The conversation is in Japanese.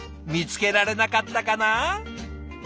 見つけられなかったかな？